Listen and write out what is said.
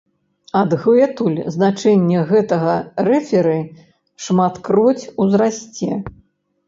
Адгэтуль значэнне гэтага рэферы шматкроць узрасце.